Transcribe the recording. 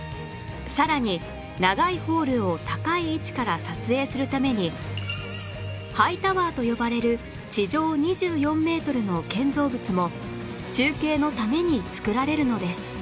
さらに長いホールを高い位置から撮影するためにハイタワーと呼ばれる地上２４メートルの建造物も中継のために造られるのです